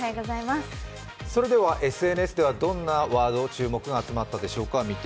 それではＳＮＳではどんなワードに注目が集まったでしょうか。